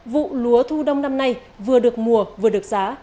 vụ lúa thu đông năm nay vừa được mùa vừa được giá